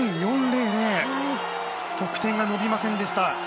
得点が伸びませんでした。